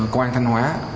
cơ quan thanh hóa